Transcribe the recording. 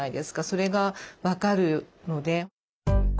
それが分かるので。